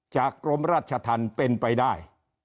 กรมราชธรรมเป็นไปได้